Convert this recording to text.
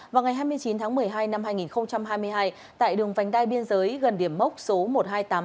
vào ngày hai mươi chín tháng một mươi hai năm hai nghìn hai mươi hai tại đường vành đai biên giới gần điểm mốc số một nghìn hai trăm tám mươi hai